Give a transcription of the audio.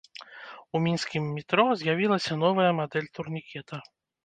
У мінскім метро з'явілася новая мадэль турнікета.